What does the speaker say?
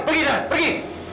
pergi sana pergi